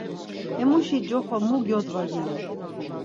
Emuşi coxo mu gyodvaginon?